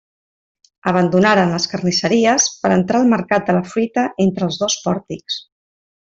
Abandonaren les carnisseries per a entrar al mercat de la fruita entre els dos pòrtics.